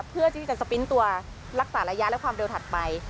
เพื่อที่จะสปริ้นต์ตัวรักษาระยะและความเร็วถัดไป